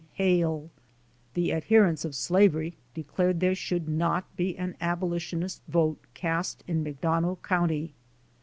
Hale. The adherents of slavery declared there should not be an abolitionist vote cast in McDonough county.